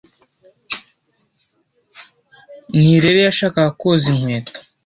Nirere yashakaga koza inkweto.